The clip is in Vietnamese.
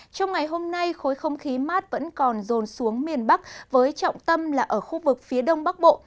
trong ngày hôm nay khối không khí mát vẫn còn rồn xuống miền bắc với trọng tâm là ở khu vực phía đông bắc bộ